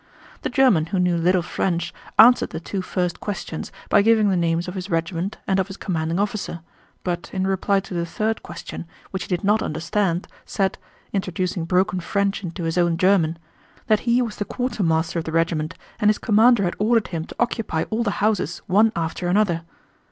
The German who knew little French, answered the two first questions by giving the names of his regiment and of his commanding officer, but in reply to the third question which he did not understand said, introducing broken French into his own German, that he was the quartermaster of the regiment and his commander had ordered him to occupy all the houses one after another.